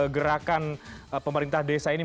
gerakan pemerintah desa ini